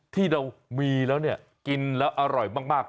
ที่เรามีแล้วมีแล้วอร่อยมาก